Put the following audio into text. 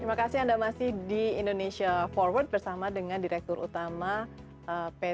terima kasih anda masih di indonesia forward bersama dengan direktur utama pt